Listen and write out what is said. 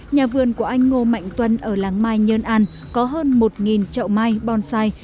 nhà vườn của anh ngô mạnh tuân ở làng mai nhơn an có hơn một chậu mai bonsai